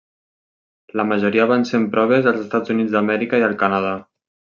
La majoria van ser en proves als Estats Units d'Amèrica i al Canadà.